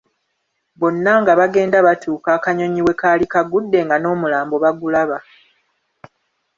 Bonna nga bagenda batuuka akanyonyi wekaali kagudde nga n’omulambo bagulaba.